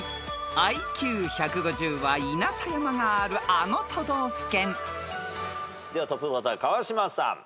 ［ＩＱ１５０は稲佐山があるあの都道府県］ではトップバッター川島さん。